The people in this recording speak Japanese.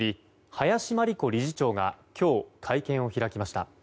林真理子理事長が今日、会見を開きました。